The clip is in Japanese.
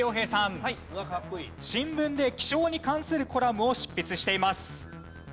新聞で気象に関するコラムを執筆しています。